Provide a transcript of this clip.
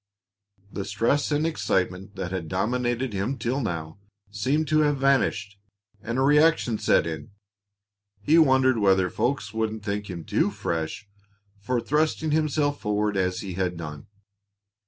The stress and excitement that had dominated him till now seemed to have vanished, and a reaction set in. He wondered whether folks wouldn't think him too "fresh" for thrusting himself forward as he had done.